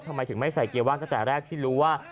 ทำไมถึงไม่ใส่เกียร์ว่างตั้งแต่แรกที่รู้ว่า